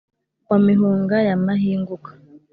wa mihunga ya mahinguka ,